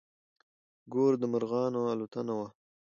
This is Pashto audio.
ګور د مرغانو الوتنه وه.